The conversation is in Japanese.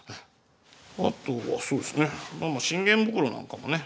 あとはそうですね信玄袋なんかもね。